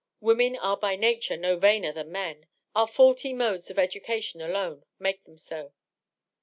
Women are by nature no vainer than men ; our faulty modes of education alone make them so.